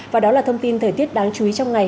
và đó là thông tin thời tiết đáng chú ý trong ngày